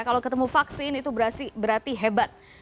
kalau ketemu vaksin itu berarti hebat